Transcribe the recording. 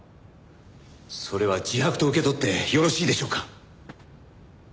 それは自白と受け取ってよろしいでしょうか？